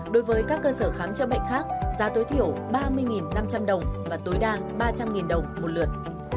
đối với các cơ sở khám chữa bệnh khác giá tối thiểu ba mươi năm trăm linh đồng và tối đa ba trăm linh đồng một lượt